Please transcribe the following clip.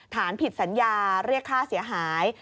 ฐานผิดสัญญาเรียกค่าเสียหาย